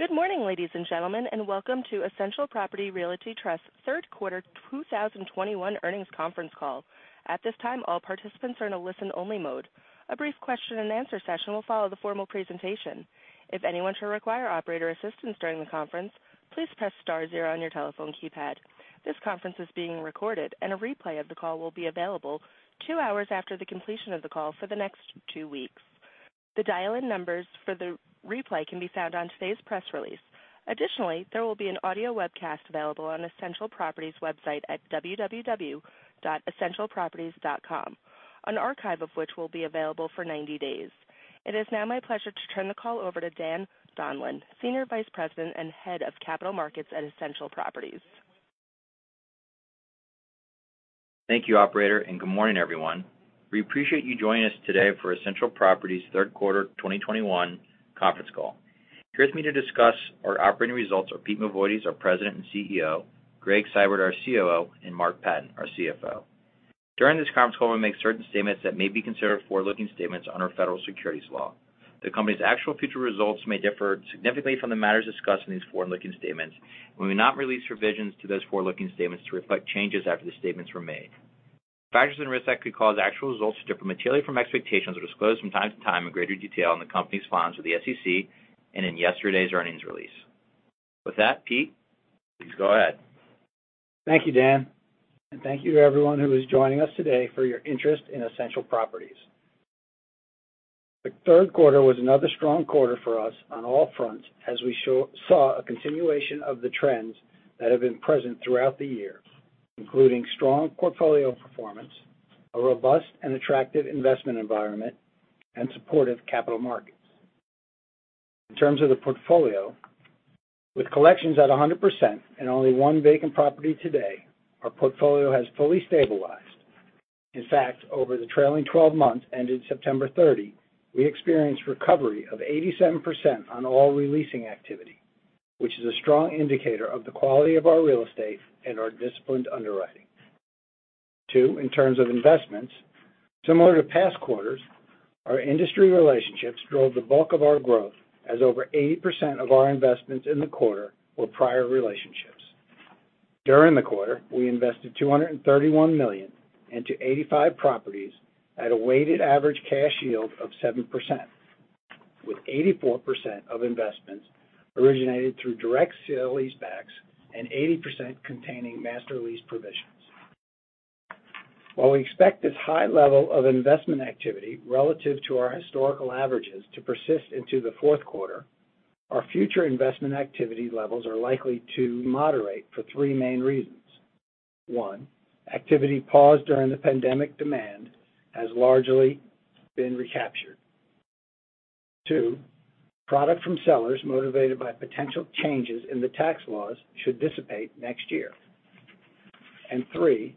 Good morning, ladies and gentlemen, and welcome to Essential Properties Realty Trust third quarter 2021 earnings conference call. At this time, all participants are in a listen-only mode. A brief question-and-answer session will follow the formal presentation. If anyone should require operator assistance during the conference, please press star zero on your telephone keypad. This conference is being recorded and a replay of the call will be available two hours after the completion of the call for the next two weeks. The dial-in numbers for the replay can be found on today's press release. Additionally, there will be an audio webcast available on Essential Properties website at www.essentialproperties.com. An archive of which will be available for 90 days. It is now my pleasure to turn the call over to Dan Donlan, Senior Vice President and Head of Capital Markets at Essential Properties. Thank you, operator, and good morning, everyone. We appreciate you joining us today for Essential Properties third quarter 2021 conference call. Here with me to discuss our operating results are Pete Mavoides, our President and CEO, Gregg Seibert, our COO, and Mark Patten, our CFO. During this conference call, we make certain statements that may be considered forward-looking statements under Federal Securities law. The company's actual future results may differ significantly from the matters discussed in these forward-looking statements, and we may not release revisions to those forward-looking statements to reflect changes after the statements were made. Factors and risks that could cause actual results to differ materially from expectations are disclosed from time to time in greater detail in the company's files with the SEC and in yesterday's earnings release. With that, Pete, please go ahead. Thank you, Dan, and thank you to everyone who is joining us today for your interest in Essential Properties. The third quarter was another strong quarter for us on all fronts as we saw a continuation of the trends that have been present throughout the year, including strong portfolio performance, a robust and attractive investment environment, and supportive capital markets. In terms of the portfolio, with collections at 100% and only one vacant property today, our portfolio has fully stabilized. In fact, over the trailing 12 months ended September 30, we experienced recovery of 87% on all re-leasing activity, which is a strong indicator of the quality of our real estate and our disciplined underwriting. Two, in terms of investments, similar to past quarters, our industry relationships drove the bulk of our growth as over 80% of our investments in the quarter were prior relationships. During the quarter, we invested $231 million into 85 properties at a weighted average cash yield of 7%, with 84% of investments originated through direct sale-leasebacks and 80% containing master lease provisions. While we expect this high level of investment activity relative to our historical averages to persist into the fourth quarter, our future investment activity levels are likely to moderate for three main reasons. One, activity paused during the pandemic demand has largely been recaptured. Two, product from sellers motivated by potential changes in the tax laws should dissipate next year. Three,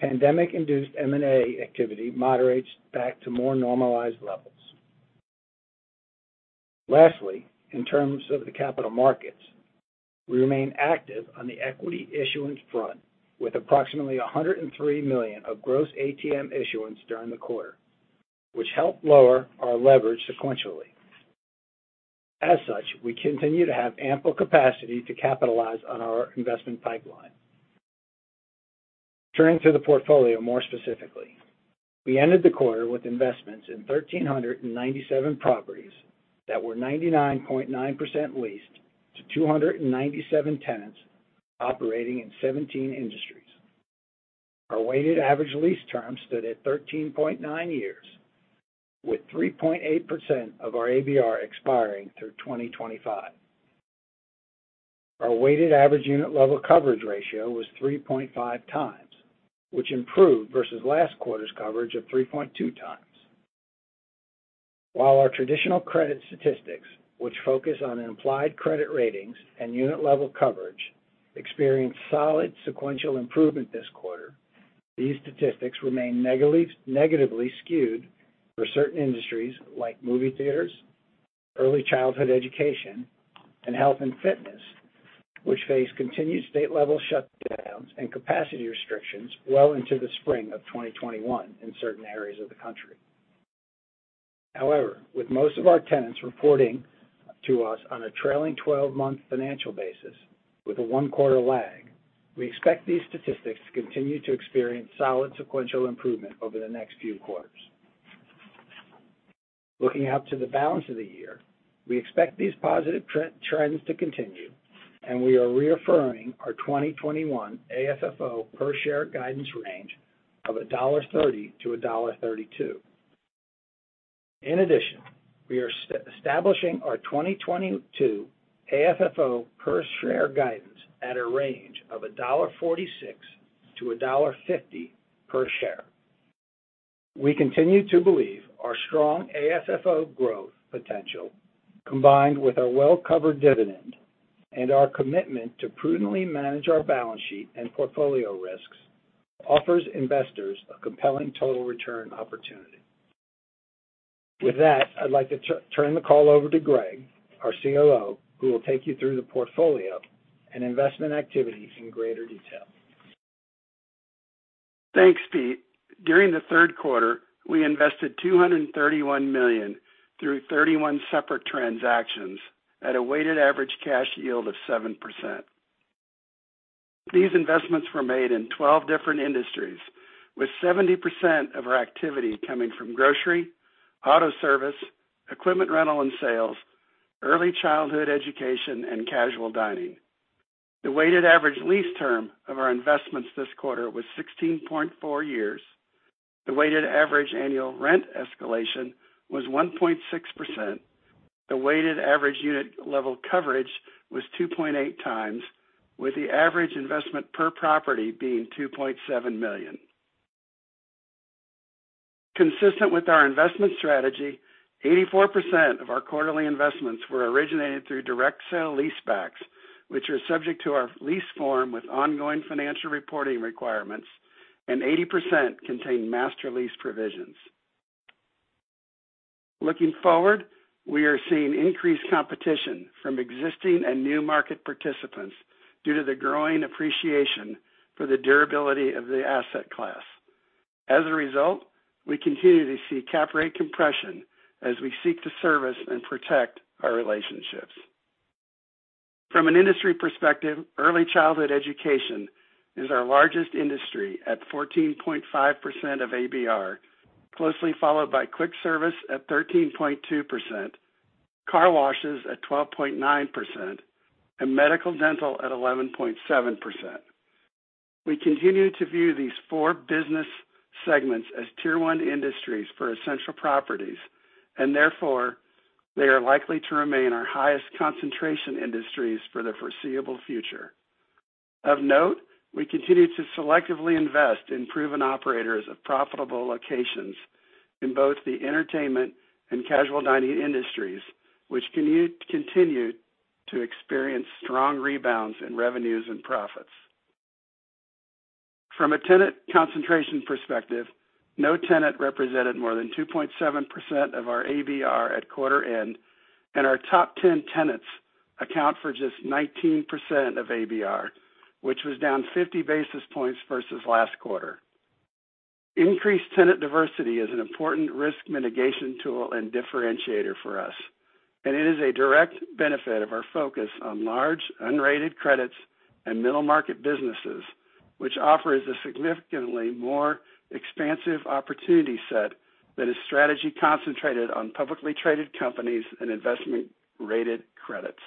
pandemic-induced M&A activity moderates back to more normalized levels. Lastly, in terms of the capital markets, we remain active on the equity issuance front with approximately $103 million of gross ATM issuance during the quarter, which helped lower our leverage sequentially. As such, we continue to have ample capacity to capitalize on our investment pipeline. Turning to the portfolio more specifically. We ended the quarter with investments in 1,397 properties that were 99.9% leased to 297 tenants operating in 17 industries. Our weighted average lease term stood at 13.9 years, with 3.8% of our ABR expiring through 2025. Our weighted average unit level coverage ratio was 3.5x, which improved versus last quarter's coverage of 3.2x. While our traditional credit statistics, which focus on implied credit ratings and unit level coverage, experienced solid sequential improvement this quarter, these statistics remain negatively skewed for certain industries like movie theaters, early childhood education, and health and fitness, which face continued state level shutdowns and capacity restrictions well into the spring of 2021 in certain areas of the country. However, with most of our tenants reporting to us on a trailing twelve-month financial basis with a one-quarter lag, we expect these statistics to continue to experience solid sequential improvement over the next few quarters. Looking out to the balance of the year, we expect these positive trends to continue, and we are reaffirming our 2021 AFFO per share guidance range of $1.30-$1.32. In addition, we are establishing our 2022 AFFO per share guidance at a range of $1.46-$1.50 per share. We continue to believe our strong AFFO growth potential, combined with our well-covered dividend and our commitment to prudently manage our balance sheet and portfolio risks, offers investors a compelling total return opportunity. With that, I'd like to turn the call over to Gregg, our COO, who will take you through the portfolio and investment activity in greater detail. Thanks, Pete. During the third quarter, we invested $231 million through 31 separate transactions at a weighted average cash yield of 7%. These investments were made in 12 different industries, with 70% of our activity coming from Grocery, Auto Service, Equipment Rental and Sales, Early Childhood Education, and Casual Dining. The weighted average lease term of our investments this quarter was 16.4 years. The weighted average annual rent escalation was 1.6%. The weighted average unit level coverage was 2.8x, with the average investment per property being $2.7 million. Consistent with our investment strategy, 84% of our quarterly investments were originated through direct sale-leasebacks, which are subject to our lease form with ongoing financial reporting requirements, and 80% contain master lease provisions. Looking forward, we are seeing increased competition from existing and new market participants due to the growing appreciation for the durability of the asset class. As a result, we continue to see cap rate compression as we seek to service and protect our relationships. From an industry perspective, early childhood education is our largest industry at 14.5% of ABR, closely followed by Quick Service at 13.2%, Car Washes at 12.9%, and Medical/Dental at 11.7%. We continue to view these four business segments as Tier 1 industries for Essential Properties, and therefore, they are likely to remain our highest concentration industries for the foreseeable future. Of note, we continue to selectively invest in proven operators of profitable locations in both the entertainment and casual dining industries, which continue to experience strong rebounds in revenues and profits. From a tenant concentration perspective, no tenant represented more than 2.7% of our ABR at quarter end, and our top 10 tenants account for just 19% of ABR, which was down 50 basis points versus last quarter. Increased tenant diversity is an important risk mitigation tool and differentiator for us, and it is a direct benefit of our focus on large, unrated credits and middle-market businesses, which offers a significantly more expansive opportunity set than a strategy concentrated on publicly traded companies and investment-rated credits.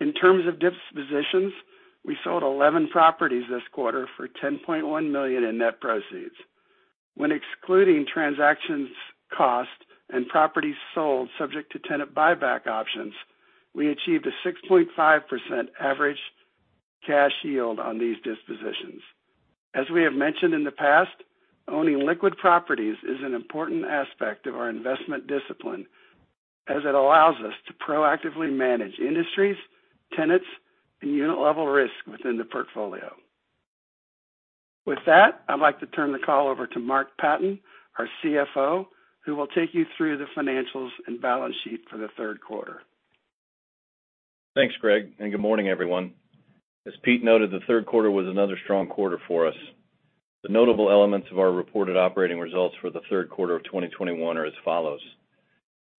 In terms of dispositions, we sold 11 properties this quarter for $10.1 million in net proceeds. When excluding transactions cost and properties sold subject to tenant buyback options, we achieved a 6.5% average cash yield on these dispositions. As we have mentioned in the past, owning liquid properties is an important aspect of our investment discipline as it allows us to proactively manage industries, tenants, and unit-level risk within the portfolio. With that, I'd like to turn the call over to Mark Patten, our CFO, who will take you through the financials and balance sheet for the third quarter. Thanks, Gregg, and good morning, everyone. As Pete noted, the third quarter was another strong quarter for us. The notable elements of our reported operating results for the third quarter of 2021 are as follows: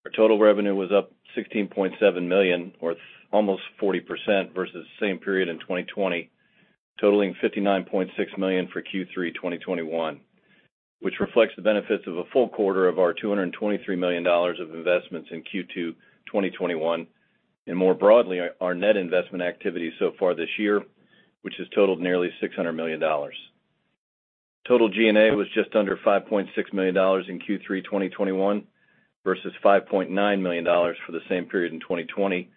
Our total revenue was up $16.7 million or almost 40% versus same period in 2020, totaling $59.6 million for Q3 2021, which reflects the benefits of a full quarter of our $223 million of investments in Q2 2021, and more broadly, our net investment activity so far this year, which has totaled nearly $600 million. Total G&A was just under $5.6 million in Q3 2021 versus $5.9 million for the same period in 2020,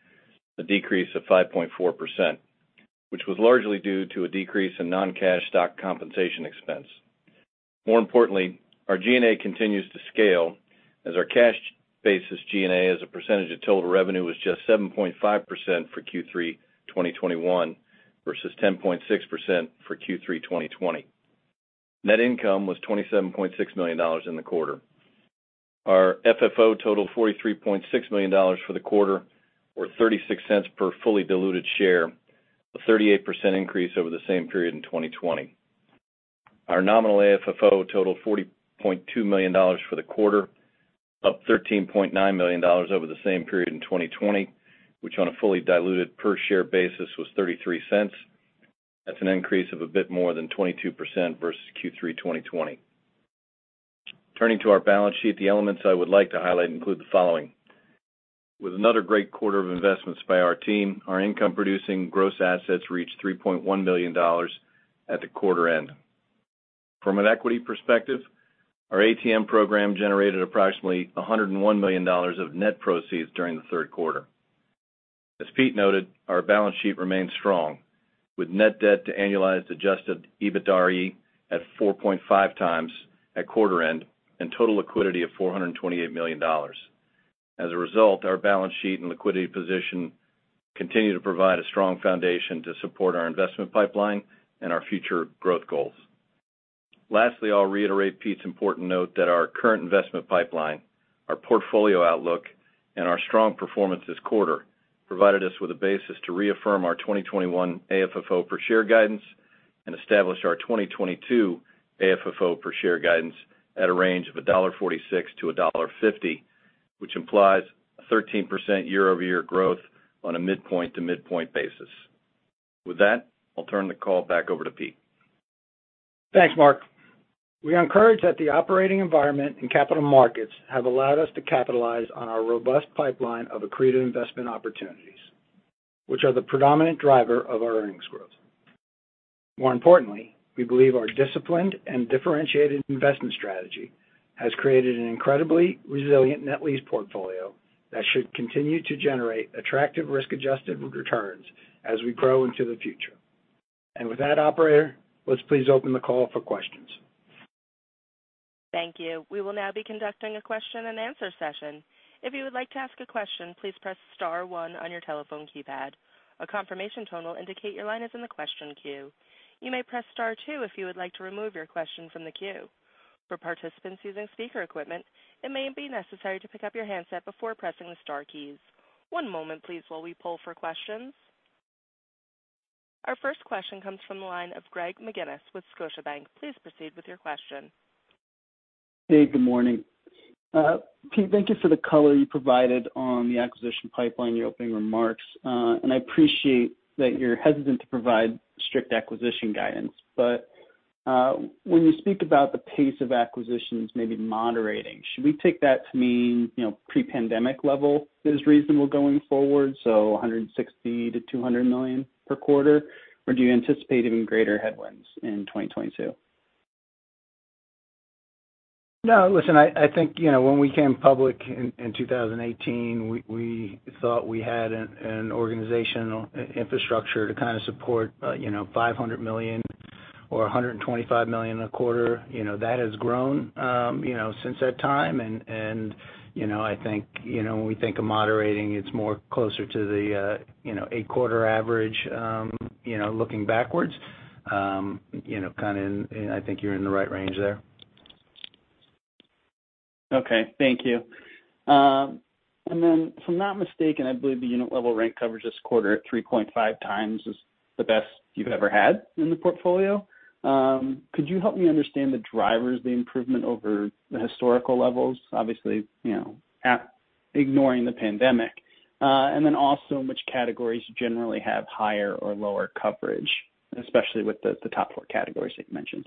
a decrease of 5.4%, which was largely due to a decrease in non-cash stock compensation expense. More importantly, our G&A continues to scale as our cash basis G&A as a percentage of total revenue was just 7.5% for Q3 2021 versus 10.6% for Q3 2020. Net income was $27.6 million in the quarter. Our FFO totaled $43.6 million for the quarter or $0.36 per fully diluted share, a 38% increase over the same period in 2020. Our nominal AFFO totaled $40.2 million for the quarter, up $13.9 million over the same period in 2020, which on a fully diluted per share basis was $0.33. That's an increase of a bit more than 22% versus Q3 2020. Turning to our balance sheet, the elements I would like to highlight include the following. With another great quarter of investments by our team, our income-producing gross assets reached $3.1 million at the quarter end. From an equity perspective, our ATM program generated approximately $101 million of net proceeds during the third quarter. As Pete noted, our balance sheet remains strong with net debt to annualized adjusted EBITDAre at 4.5x at quarter end and total liquidity of $428 million. As a result, our balance sheet and liquidity position continue to provide a strong foundation to support our investment pipeline and our future growth goals. Lastly, I'll reiterate Pete's important note that our current investment pipeline, our portfolio outlook, and our strong performance this quarter provided us with a basis to reaffirm our 2021 AFFO per share guidance and establish our 2022 AFFO per share guidance at a range of $1.46-$1.50, which implies a 13% year-over-year growth on a midpoint to midpoint basis. With that, I'll turn the call back over to Pete. Thanks, Mark. We are encouraged that the operating environment and capital markets have allowed us to capitalize on our robust pipeline of accretive investment opportunities, which are the predominant driver of our earnings growth. More importantly, we believe our disciplined and differentiated investment strategy has created an incredibly resilient net lease portfolio that should continue to generate attractive risk-adjusted returns as we grow into the future. With that, operator, let's please open the call for questions. Thank you. We will now be conducting a question-and-answer session. If you would like to ask a question, please press star one on your telephone keypad. A confirmation tone will indicate your line is in the question queue. You may press star two if you would like to remove your question from the queue. For participants using speaker equipment, it may be necessary to pick up your handset before pressing the star keys. One moment please while we poll for questions. Our first question comes from the line of Greg McGinniss with Scotiabank. Please proceed with your question. Hey, good morning. Pete, thank you for the color you provided on the acquisition pipeline in your opening remarks. I appreciate that you're hesitant to provide strict acquisition guidance. When you speak about the pace of acquisitions maybe moderating, should we take that to mean, you know, pre-pandemic level that is reasonable going forward, so $160 million-$200 million per quarter? Or do you anticipate even greater headwinds in 2022? No, listen, I think, you know, when we came public in 2018, we thought we had an organizational infrastructure to kind of support, you know, $500 million or $125 million a quarter. You know, that has grown, you know, since that time. You know, I think, you know, when we think of moderating, it's more closer to the, you know, eight-quarter average, you know, looking backwards. You know, kind of, I think you're in the right range there. Okay, thank you. If I'm not mistaken, I believe the unit level rent coverage this quarter at 3.5x is the best you've ever had in the portfolio. Could you help me understand the drivers, the improvement over the historical levels? Obviously, you know, ignoring the pandemic. And then also, which categories generally have higher or lower coverage, especially with the top four categories that you mentioned.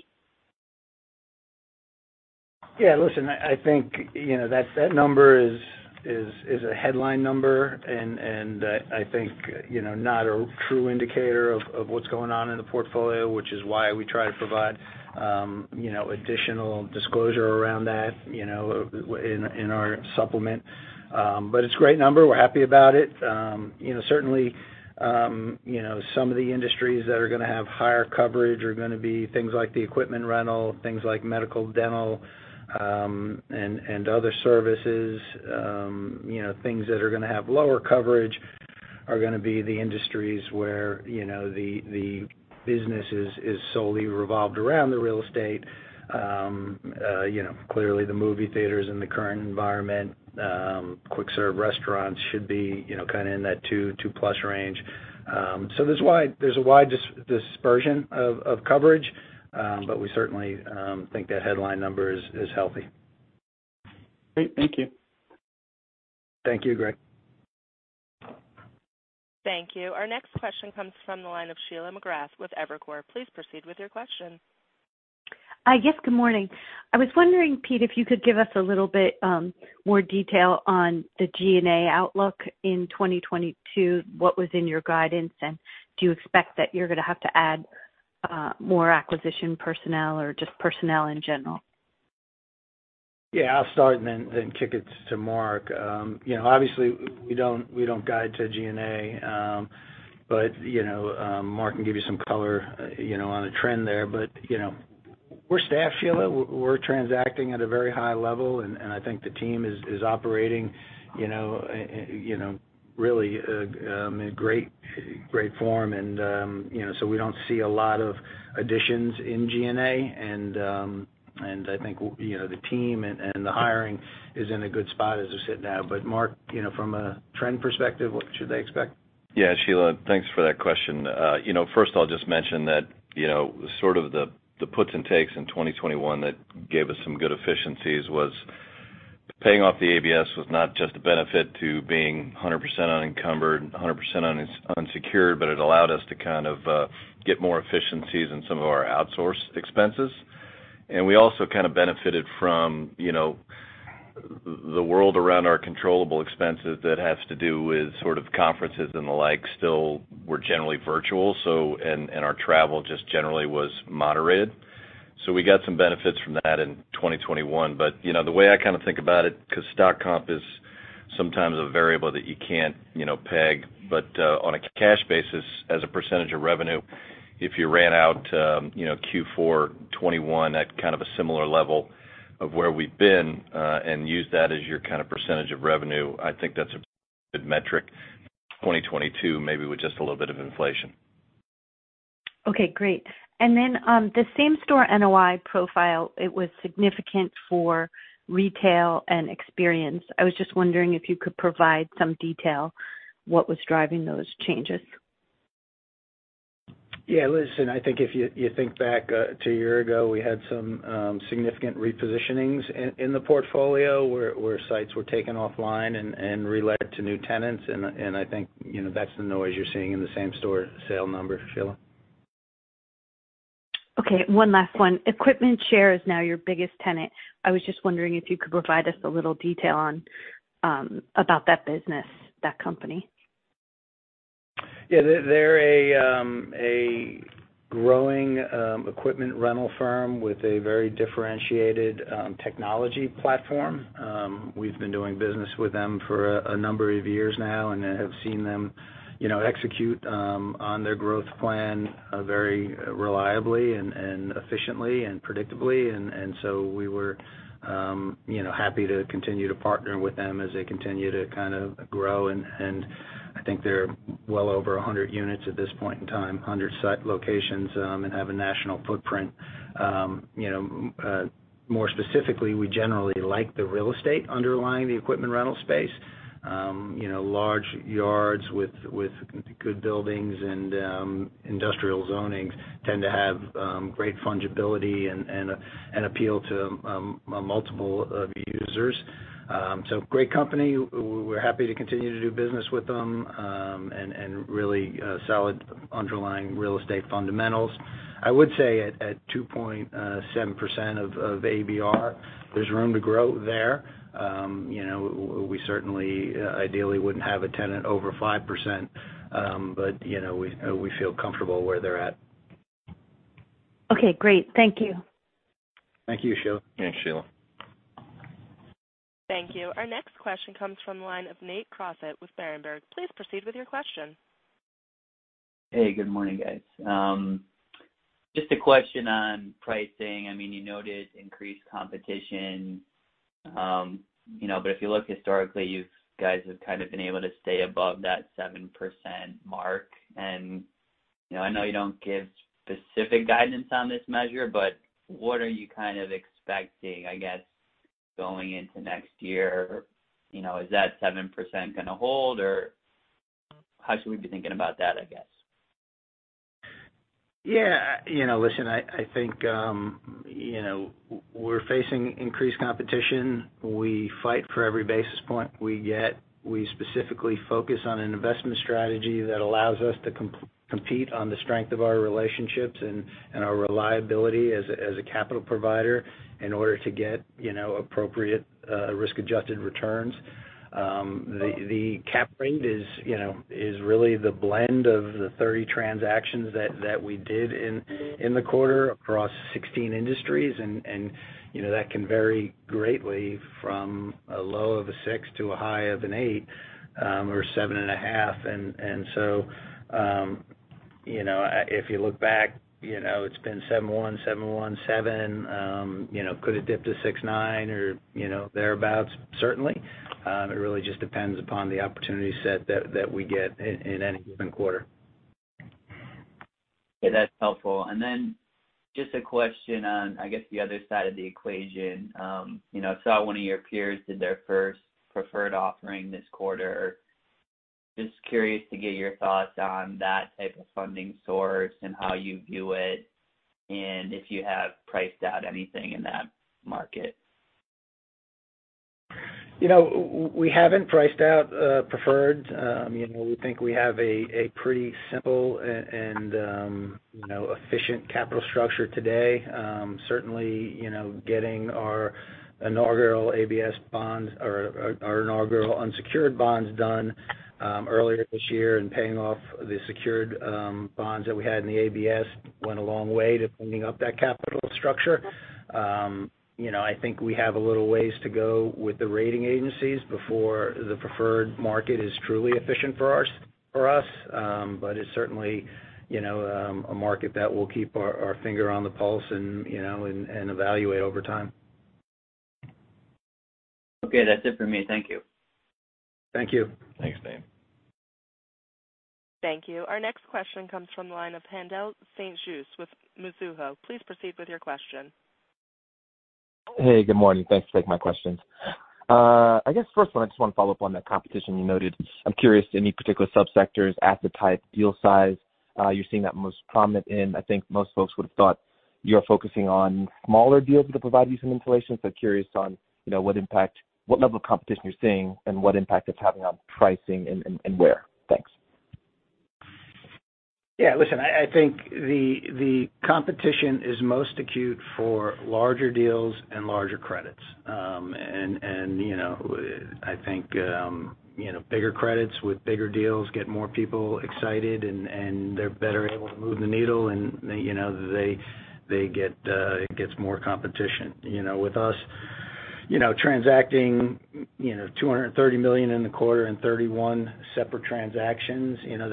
Yeah, listen, I think, you know, that number is a headline number and I think, you know, not a true indicator of what's going on in the portfolio, which is why we try to provide, you know, additional disclosure around that, you know, in our supplement. It's a great number. We're happy about it. You know, certainly, you know, some of the industries that are gonna have higher coverage are gonna be things like the equipment rental, things like medical/dental, and other services. You know, things that are gonna have lower coverage are gonna be the industries where, you know, the business is solely revolved around the real estate. You know, clearly the movie theaters in the current environment, quick serve restaurants should be, you know, kind of in that two, 2+ range. There's a wide dispersion of coverage. We certainly think that headline number is healthy. Great. Thank you. Thank you, Greg. Thank you. Our next question comes from the line of Sheila McGrath with Evercore. Please proceed with your question. Hi. Yes, good morning. I was wondering, Pete, if you could give us a little bit more detail on the G&A outlook in 2022, what was in your guidance, and do you expect that you're gonna have to add more acquisition personnel or just personnel in general? Yeah, I'll start and then kick it to Mark. You know, obviously we don't guide to G&A. You know, Mark can give you some color, you know, on the trend there. You know, we're staffed, Sheila. We're transacting at a very high level, and I think the team is operating, you know, really in great form. You know, so we don't see a lot of additions in G&A. I think you know, the team and the hiring is in a good spot as it sits now. Mark, you know, from a trend perspective, what should they expect? Yeah, Sheila, thanks for that question. You know, first of all, just mention that, you know, sort of the puts and takes in 2021 that gave us some good efficiencies was paying off the ABS was not just a benefit to being 100% unencumbered, 100% unsecured, but it allowed us to kind of get more efficiencies in some of our outsourced expenses. We also kind of benefited from, you know, the world around our controllable expenses that has to do with sort of conferences and the like still were generally virtual. Our travel just generally was moderated. We got some benefits from that in 2021. You know, the way I kind of think about it, 'cause stock comp is sometimes a variable that you can't, you know, peg, but on a cash basis, as a percentage of revenue, if you ran out Q4 2021 at kind of a similar level of where we've been and used that as your kind of percentage of revenue, I think that's a good metric for 2022, maybe with just a little bit of inflation. Okay, great. The same-store NOI profile, it was significant for retail and experience. I was just wondering if you could provide some detail what was driving those changes. Yeah. Listen, I think if you think back to a year ago, we had some significant repositionings in the portfolio where sites were taken offline and relet to new tenants. I think, you know, that's the noise you're seeing in the same-store sales number, Sheila. Okay, one last one. EquipmentShare is now your biggest tenant. I was just wondering if you could provide us a little detail on about that business, that company. Yeah. They're a growing equipment rental firm with a very differentiated technology platform. We've been doing business with them for a number of years now and have seen them, you know, execute on their growth plan very reliably and efficiently and predictably. We were, you know, happy to continue to partner with them as they continue to kind of grow. I think they're well over 100 units at this point in time, 100 site locations and have a national footprint. More specifically, you know, we generally like the real estate underlying the equipment rental space. You know, large yards with good buildings and industrial zonings tend to have great fungibility and appeal to multiple users. Great company. We're happy to continue to do business with them, and really solid underlying real estate fundamentals. I would say at 2.7% of ABR, there's room to grow there. You know, we certainly ideally wouldn't have a tenant over 5%. But you know, we feel comfortable where they're at. Okay, great. Thank you. Thank you, Sheila. Thanks, Sheila. Thank you. Our next question comes from the line of Nate Crossett with Berenberg. Please proceed with your question. Hey, good morning, guys. Just a question on pricing. I mean, you noted increased competition, you know, but if you look historically, you guys have kind of been able to stay above that 7% mark. You know, I know you don't give specific guidance on this measure, but what are you kind of expecting, I guess, going into next year? You know, is that 7% gonna hold, or how should we be thinking about that, I guess? Yeah. You know, listen, I think, you know, we're facing increased competition. We fight for every basis point we get. We specifically focus on an investment strategy that allows us to compete on the strength of our relationships and our reliability as a capital provider in order to get, you know, appropriate risk-adjusted returns. The cap rate is, you know, really the blend of the 30 transactions that we did in the quarter across 16 industries and, you know, that can vary greatly from a low of six to a high of an eight, or 7.5. You know, if you look back, you know, it's been 7.1, 7.1, seven. You know, could it dip to 6.9 or, you know, thereabouts? Certainly. It really just depends upon the opportunity set that we get in any given quarter. Yeah. That's helpful. Just a question on, I guess, the other side of the equation. You know, saw one of your peers did their first preferred offering this quarter. Just curious to get your thoughts on that type of funding source and how you view it, and if you have priced out anything in that market. You know, we haven't priced out preferred. You know, we think we have a pretty simple and efficient capital structure today. Certainly, you know, getting our inaugural ABS bonds or our inaugural unsecured bonds done earlier this year and paying off the secured bonds that we had in the ABS went a long way to cleaning up that capital structure. You know, I think we have a little ways to go with the rating agencies before the preferred market is truly efficient for us. But it's certainly a market that we'll keep our finger on the pulse and evaluate over time. Okay. That's it for me. Thank you. Thank you. Thanks, Nate. Thank you. Our next question comes from the line of Haendel St. Juste with Mizuho. Please proceed with your question. Hey, good morning. Thanks for taking my questions. I guess first one, I just wanna follow up on the competition you noted. I'm curious, any particular subsectors, asset type, deal size, you're seeing that most prominent in? I think most folks would have thought you're focusing on smaller deals that provide you some insulation. Curious on, you know, what level of competition you're seeing and what impact it's having on pricing and where. Thanks. Yeah. Listen, I think the competition is most acute for larger deals and larger credits. You know, I think you know bigger credits with bigger deals get more people excited and they're better able to move the needle and you know it gets more competition. You know, with us, you know, transacting $230 million in the quarter in 31 separate transactions, you know,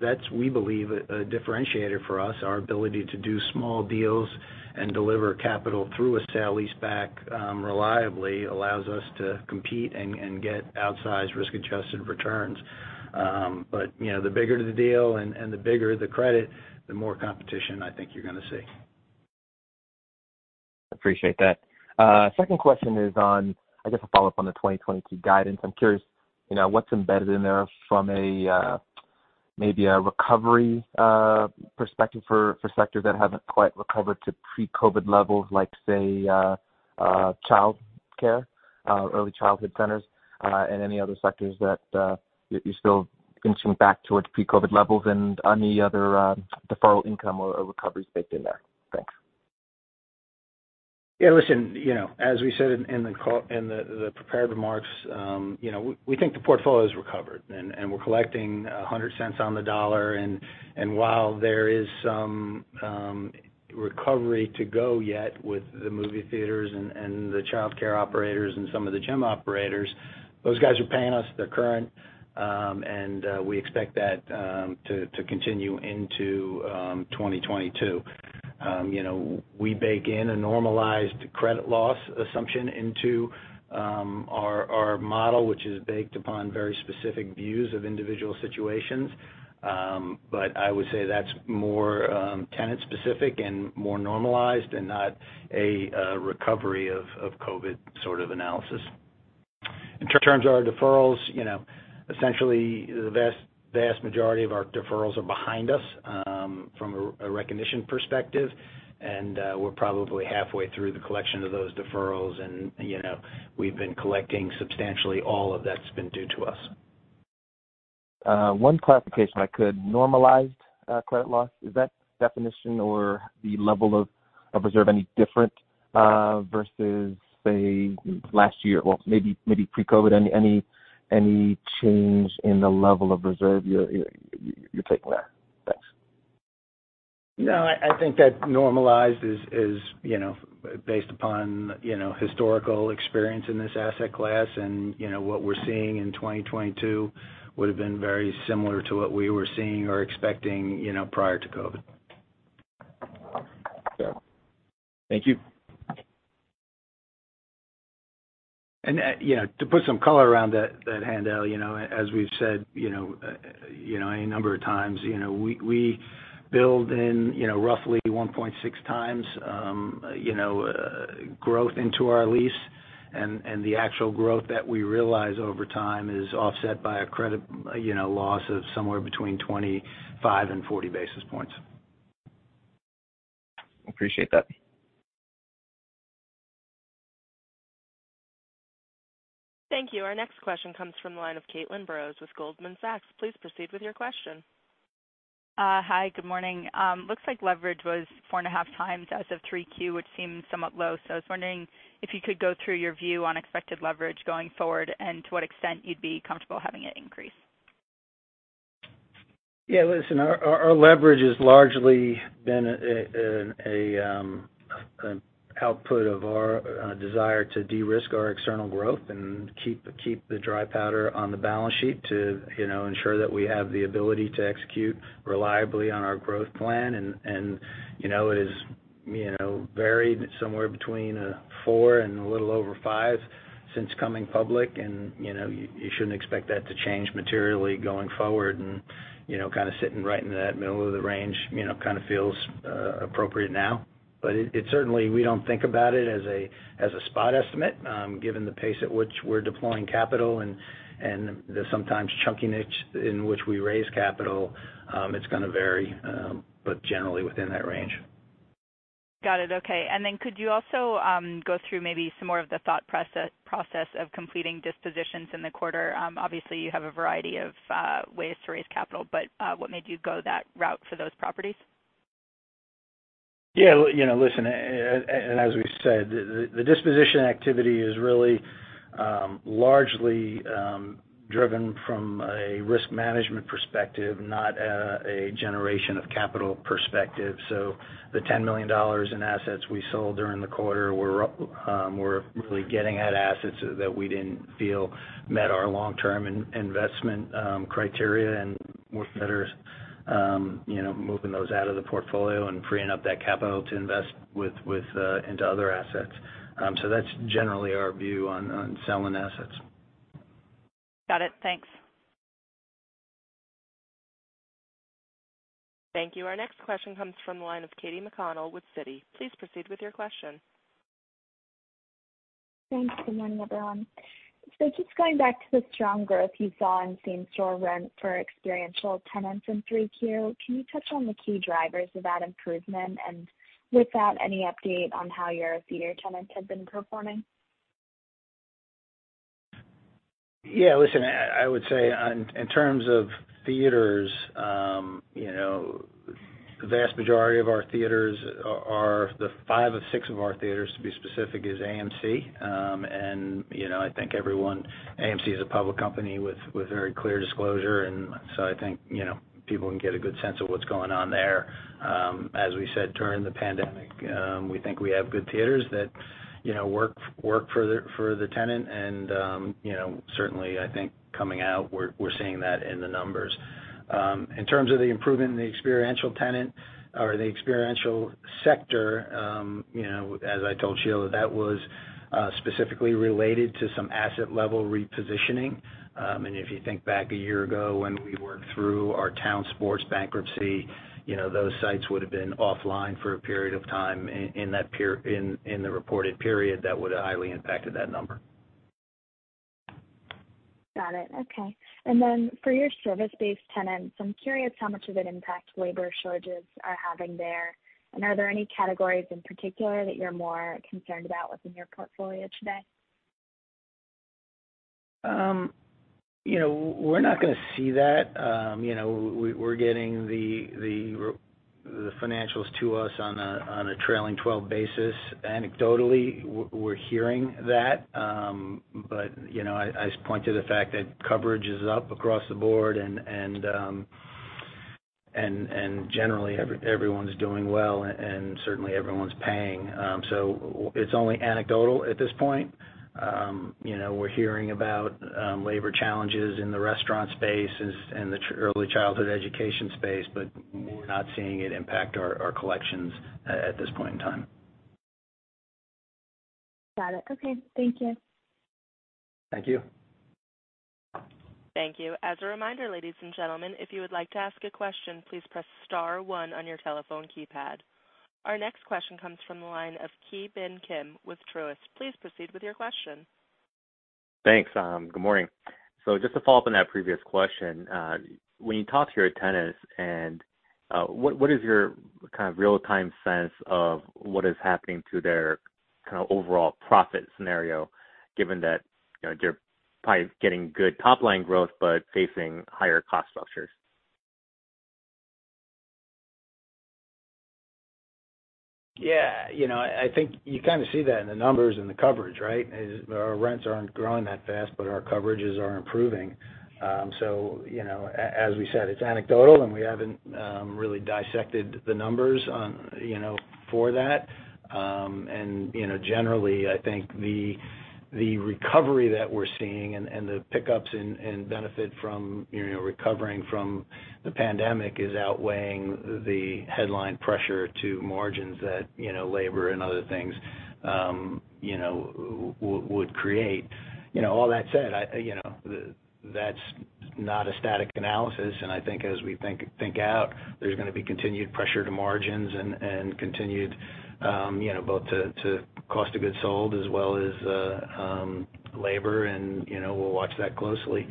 that's, we believe a differentiator for us. Our ability to do small deals and deliver capital through a sale-leaseback reliably allows us to compete and get outsized risk-adjusted returns. You know, the bigger the deal and the bigger the credit, the more competition I think you're gonna see. Appreciate that. Second question is on, I guess, a follow-up on the 2022 guidance. I'm curious, you know, what's embedded in there from a, maybe a recovery, perspective for sectors that haven't quite recovered to pre-COVID levels, like say, child care, early childhood centers, and any other sectors that, you're still inching back towards pre-COVID levels and any other, deferral income or, recoveries baked in there? Thanks. Yeah, listen, you know, as we said in the prepared remarks, you know, we think the portfolio's recovered and we're collecting 100 cents on the dollar. While there is some recovery to go yet with the movie theaters and the childcare operators and some of the gym operators, those guys are paying us their current and we expect that to continue into 2022. You know, we bake in a normalized credit loss assumption into our model, which is baked upon very specific views of individual situations. I would say that's more tenant specific and more normalized and not a recovery of COVID sort of analysis. In terms of our deferrals, you know, essentially the vast majority of our deferrals are behind us, from a recognition perspective. We're probably halfway through the collection of those deferrals. You know, we've been collecting substantially all of that's been due to us. One clarification if I could. Normalized credit loss, is that definition or the level of reserve any different versus say last year? Well, maybe pre-COVID. Any change in the level of reserve you're taking there? Thanks. No, I think that normalized is, you know, based upon, you know, historical experience in this asset class. You know, what we're seeing in 2022 would've been very similar to what we were seeing or expecting, you know, prior to COVID. Thank you. To put some color around that Haendel, you know, as we've said, you know, any number of times, you know, we build in, you know, roughly 1.6x growth into our lease. The actual growth that we realize over time is offset by a credit loss of somewhere between 25 and 40 basis points. Appreciate that. Thank you. Our next question comes from the line of Caitlin Burrows with Goldman Sachs. Please proceed with your question. Hi, good morning. Looks like leverage was 4.5x as of 3Q, which seems somewhat low. I was wondering if you could go through your view on expected leverage going forward, and to what extent you'd be comfortable having it increase. Yeah. Listen, our leverage has largely been an output of our desire to de-risk our external growth and keep the dry powder on the balance sheet to you know ensure that we have the ability to execute reliably on our growth plan. You know, it has varied somewhere between four and a little over five since coming public. You know, you shouldn't expect that to change materially going forward. You know, kind of sitting right in that middle of the range you know kind of feels appropriate now. But we certainly don't think about it as a spot estimate given the pace at which we're deploying capital and the sometimes chunkiness in which we raise capital, it's gonna vary. But generally within that range. Got it. Okay. Could you also go through maybe some more of the thought process of completing dispositions in the quarter? Obviously you have a variety of ways to raise capital, but what made you go that route for those properties? Yeah. You know, listen, and as we've said, the disposition activity is really largely driven from a risk management perspective, not a generation of capital perspective. The $10 million in assets we sold during the quarter were really getting at assets that we didn't feel met our long-term investment criteria. We're better, you know, moving those out of the portfolio and freeing up that capital to invest into other assets. That's generally our view on selling assets. Got it. Thanks. Thank you. Our next question comes from the line of Katy McConnell with Citi. Please proceed with your question. Thanks. Good morning, everyone. Just going back to the strong growth you saw in same-store rent for experiential tenants in 3Q, can you touch on the key drivers of that improvement? With that, any update on how your theater tenants have been performing? Yeah. Listen, I would say on, in terms of theaters, you know, the vast majority of our theaters are the five of six of our theaters, to be specific, is AMC. You know, I think everyone, AMC is a public company with very clear disclosure. I think, you know, people can get a good sense of what's going on there. As we said during the pandemic, we think we have good theaters that, you know, work for the tenant. You know, certainly I think coming out, we're seeing that in the numbers. In terms of the improvement in the experiential tenant or the experiential sector, you know, as I told Sheila, that was specifically related to some asset level repositioning. If you think back a year ago when we worked through our Town Sports bankruptcy, you know, those sites would've been offline for a period of time in the reported period that would've highly impacted that number. Got it. Okay. For your service-based tenants, I'm curious how much of an impact labor shortages are having there. Are there any categories in particular that you're more concerned about within your portfolio today? You know, we're not gonna see that. You know, we're getting the financials to us on a trailing 12 basis. Anecdotally, we're hearing that. You know, I just point to the fact that coverage is up across the board and generally everyone's doing well and certainly everyone's paying. It's only anecdotal at this point. You know, we're hearing about labor challenges in the restaurant space and the early childhood education space, but we're not seeing it impact our collections at this point in time. Got it. Okay. Thank you. Thank you. Thank you. As a reminder, ladies and gentlemen, if you would like to ask a question, please press star one on your telephone keypad. Our next question comes from the line of Ki Bin Kim with Truist. Please proceed with your question. Thanks. Good morning. Just to follow up on that previous question, when you talk to your tenants and, what is your kind of real-time sense of what is happening to their kind of overall profit scenario given that, you know, they're probably getting good top-line growth but facing higher cost structures? Yeah. You know, I think you kind of see that in the numbers and the coverage, right? Our rents aren't growing that fast, but our coverages are improving. You know, as we said, it's anecdotal, and we haven't really dissected the numbers on, you know, for that. You know, generally I think the recovery that we're seeing and the pickups in and benefit from, you know, recovering from the pandemic is outweighing the headline pressure to margins that, you know, labor and other things would create. You know, all that said, I, you know, that's not a static analysis. I think as we think out, there's gonna be continued pressure to margins and continued, you know, both to cost of goods sold as well as labor. You know, we'll watch that closely.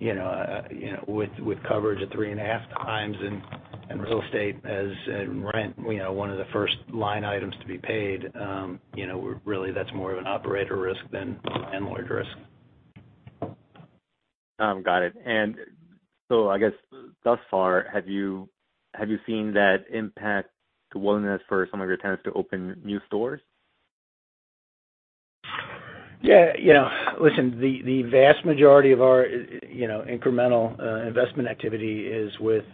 You know, with coverage at 3.5x and real estate and rent, you know, one of the first line items to be paid, you know, that's more of an operator risk than a landlord risk. Got it. I guess thus far, have you seen that impact to willingness for some of your tenants to open new stores? Yeah. You know, listen, the vast majority of our, you know, incremental investment activity is with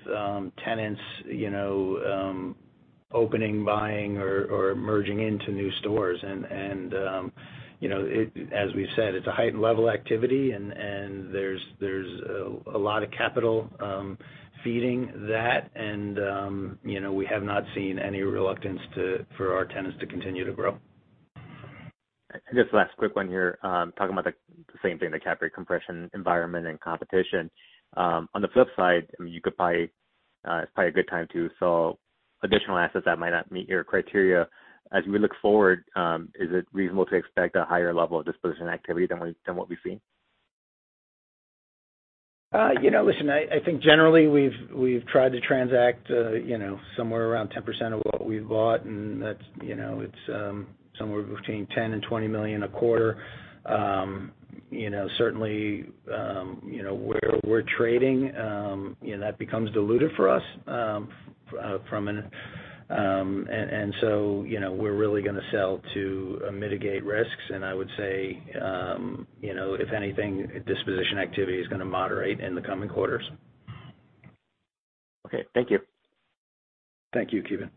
tenants, you know, opening, buying or merging into new stores. As we've said, it's a heightened level activity and there's a lot of capital feeding that. You know, we have not seen any reluctance for our tenants to continue to grow. Just last quick one here. Talking about the same thing, the cap rate compression environment and competition. On the flip side, I mean, you could buy, it's probably a good time to sell additional assets that might not meet your criteria. As we look forward, is it reasonable to expect a higher level of disposition activity than what we've seen? You know, listen, I think generally we've tried to transact, you know, somewhere around 10% of what we've bought, and that's, you know, somewhere between $10 million-$20 million a quarter. You know, certainly, you know, where we're trading, you know, that becomes diluted for us, and so, you know, we're really gonna sell to mitigate risks. I would say, you know, if anything, disposition activity is gonna moderate in the coming quarters. Okay. Thank you. Thank you, Ki Bin.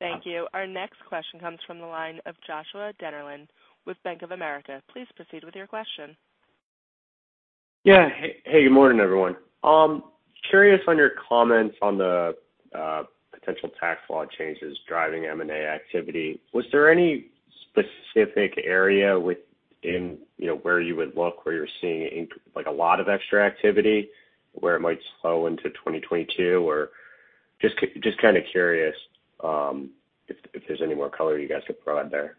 Thank you. Our next question comes from the line of Joshua Dennerlein with Bank of America. Please proceed with your question. Yeah. Hey, good morning, everyone. Curious on your comments on the potential tax law changes driving M&A activity. Was there any specific area within, you know, where you would look, where you're seeing like a lot of extra activity where it might slow into 2022? Or just kind of curious, if there's any more color you guys could provide there.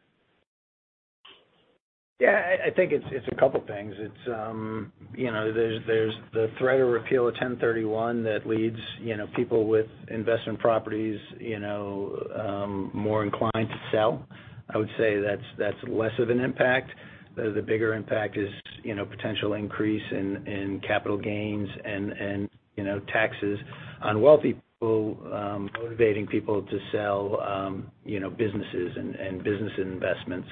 Yeah. I think it's a couple things. It's you know, there's the threat of repeal of 1031 exchange that leads you know, people with investment properties you know, more inclined to sell. I would say that's less of an impact. The bigger impact is you know, potential increase in capital gains and you know, taxes on wealthy people motivating people to sell you know, businesses and business investments.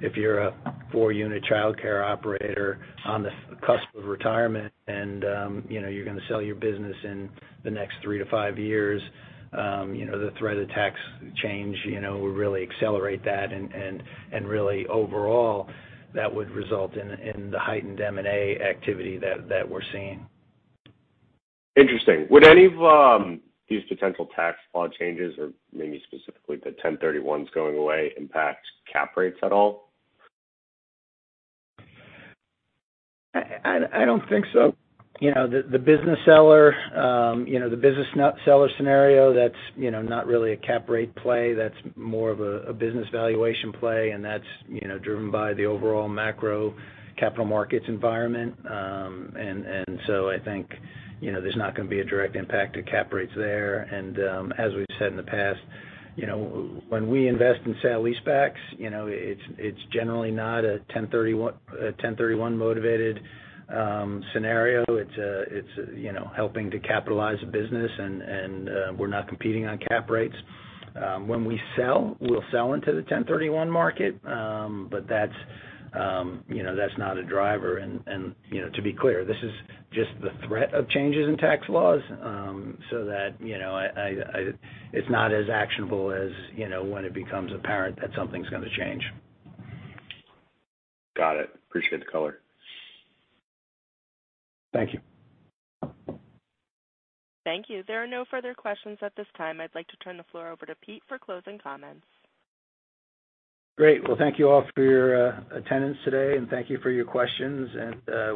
If you're a four-unit childcare operator on the cusp of retirement and you know, you're gonna sell your business in the next three to five years you know, the threat of tax change you know, will really accelerate that. Really overall, that would result in the heightened M&A activity that we're seeing. Interesting. Would any of these potential tax law changes or maybe specifically the 1031s going away impact cap rates at all? I don't think so. You know, the business seller you know the business seller scenario, that's you know not really a cap rate play. That's more of a business valuation play, and that's you know driven by the overall macro capital markets environment. So I think you know there's not gonna be a direct impact to cap rates there. As we've said in the past you know when we invest in sale-leasebacks you know it's generally not a 1031 motivated scenario. It's you know helping to capitalize a business and we're not competing on cap rates. When we sell we'll sell into the 1031 market but that's you know not a driver. You know, to be clear, this is just the threat of changes in tax laws, so that, you know, it's not as actionable as, you know, when it becomes apparent that something's gonna change. Got it. Appreciate the color. Thank you. Thank you. There are no further questions at this time. I'd like to turn the floor over to Pete for closing comments. Great. Well, thank you all for your attendance today, and thank you for your questions.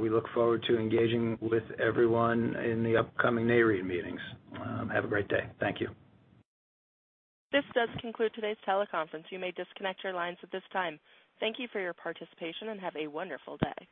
We look forward to engaging with everyone in the upcoming Nareit meetings. Have a great day. Thank you. This does conclude today's teleconference. You may disconnect your lines at this time. Thank you for your participation, and have a wonderful day.